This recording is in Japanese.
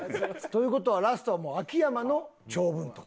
という事はラストはもう秋山の長文と。